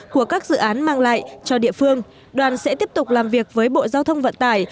của các dự án mang lại cho địa phương đoàn sẽ tiếp tục làm việc với bộ giao thông vận tải